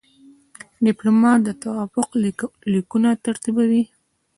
ډيپلومات د توافق لیکونه ترتیبوي.